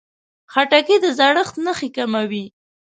خټکی د زړښت نښې کموي.